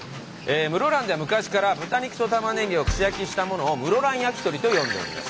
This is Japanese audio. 室蘭では昔から豚肉と玉ねぎを串焼きにしたものを「室蘭やきとり」と呼んでおります。